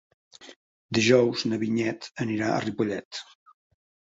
Dijous na Vinyet anirà a Ripollet.